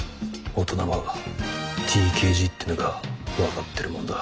大人はＴＫＧってのが分かってるもんだ。